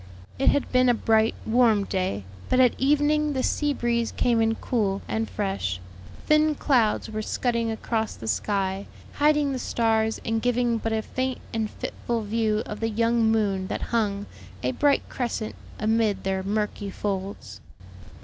It had been a bright, warm day, but at evening the sea breeze came in cool and fresh; thin clouds were scudding across the sky, hiding the stars and giving but a faint and fitful view of the young moon that hung, a bright crescent, amid their murky folds.